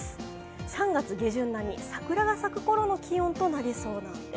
３月下旬並み、桜が咲くころの気温となりそうなんです。